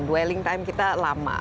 dwelling time kita lama